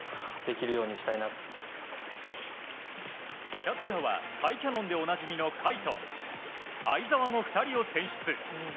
キャッチャーは甲斐キャノンでおなじみの甲斐と會澤の２人を選出。